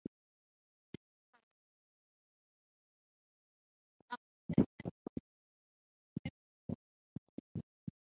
Typically, bird species in a reserve are protected from hunting and habitat destruction.